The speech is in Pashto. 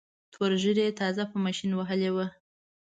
توره ږیره یې تازه په ماشین وهلې وه.